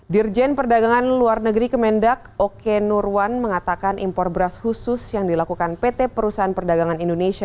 dirjen perdagangan luar negeri kemendak oke nurwan mengatakan impor beras khusus yang dilakukan pt perusahaan perdagangan indonesia